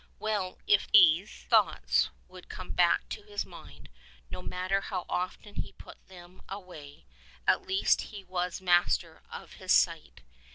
Well, if these thoughts would come back to his mind, no matter how often he put them away, at least he was master of his sight.